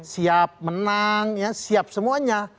siap menang siap semuanya